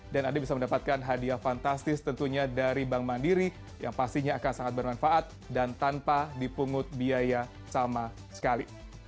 dan anda bisa mendapatkan hadiah fantastis tentunya dari bank mandiri yang pastinya akan sangat bermanfaat dan tanpa dipungut biaya sama sekali